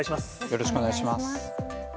よろしくお願いします。